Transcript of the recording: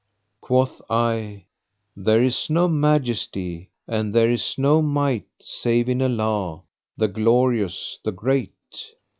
Quoth I "There is no Majesty, and there is no Might save in Allah, the Glorious, the Great!"